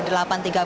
selamat pagi taza